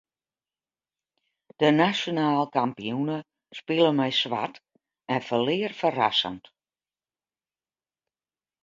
De nasjonaal kampioene spile mei swart en ferlear ferrassend.